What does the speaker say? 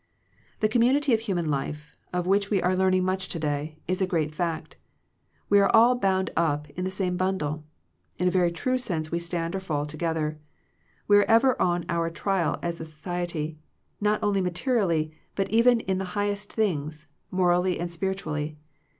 The community of human life, of which we are learning much to day, is a great fact. We are all bound up in the same bundle. In a very true sense we stand or fall together. We are ever on our trial as a society; not only materially, but even in the highest things, morally and spiritually.